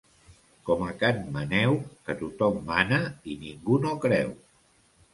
Com a can Maneu, que tothom mana i ningú no creu.